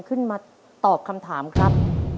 ขึ้นมาตอบคำถามครับ